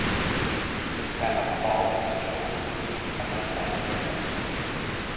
Mit seiner Frau, Jo Green, hat er drei Kinder.